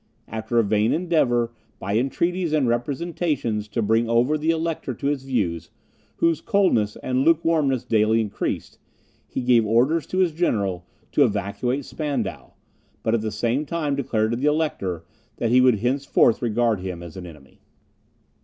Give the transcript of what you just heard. After a vain endeavour, by entreaties and representations, to bring over the Elector to his views, whose coldness and lukewarmness daily increased, he gave orders to his general to evacuate Spandau, but at the same time declared to the Elector that he would henceforth regard him as an enemy.